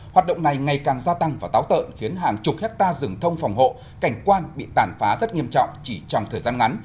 hoạt động này ngày càng gia tăng và táo tợn khiến hàng chục hectare rừng thông phòng hộ cảnh quan bị tàn phá rất nghiêm trọng chỉ trong thời gian ngắn